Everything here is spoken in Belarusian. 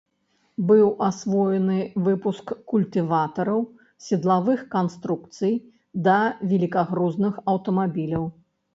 Быў асвоены выпуск культыватараў, седлавых канструкцый да велікагрузных аўтамабіляў.